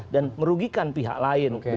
dan merugikan pihak lain